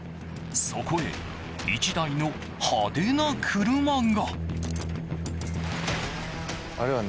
そこへ、１台の派手な車が。